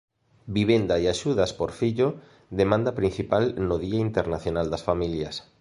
Vivenda e axudas por fillo, demanda principal no Día Internacional das Familias